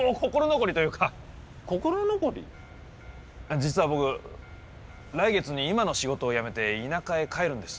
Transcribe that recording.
実は僕来月に今の仕事を辞めて田舎へ帰るんです。